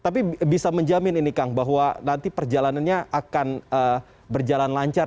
tapi bisa menjamin ini kang bahwa nanti perjalanannya akan berjalan lancar